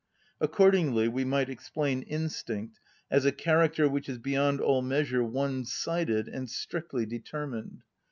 Accordingly we might explain instinct as a character which is beyond all measure one‐sided and strictly determined.